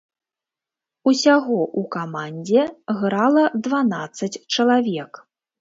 Усяго ў камандзе грала дванаццаць чалавек.